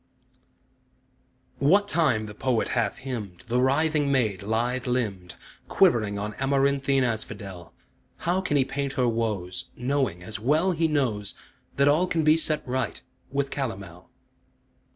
What time the poet hath hymned The writhing maid, lithe limbed, Quivering on amaranthine asphodel, How can he paint her woes, Knowing, as well he knows, That all can be set right with calomel?